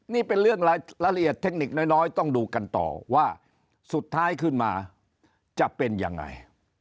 นี่เป็นเรื่องรายละเอียดเทคนิคน้อยต้องดูกันต่อว่าสุดท้ายขึ้นมาจะเป็นยังไง